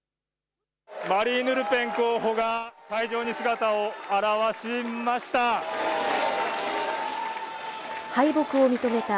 マリーヌ・ルペン候補が会場に姿を現しました。